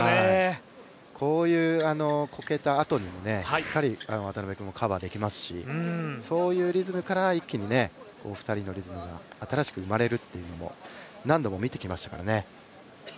こういうこけたあとにも、しっかり渡辺君もカバーできますし、そういうリズムから一気に２人のリズムが新しく生まれるというのも何度も見てきましたからね。